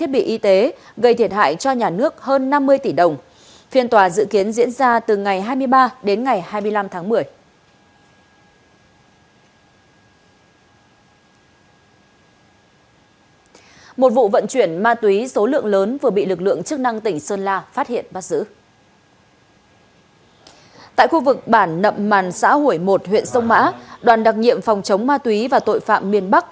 bản nậm màn xã hội một huyện sông mã đoàn đặc nhiệm phòng chống ma túy và tội phạm miền bắc